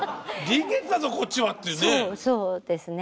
臨月だぞこっちはっていうね。